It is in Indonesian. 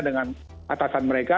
dengan atasan mereka